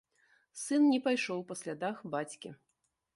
Сын не пайшоў па слядах бацькі.